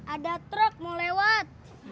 ada truk mau lewat